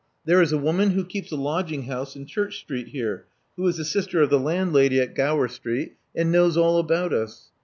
There is a woman who keeps a lodging house in Church Street here, who is a sister of the landlady at Grower Street, and knows all about us.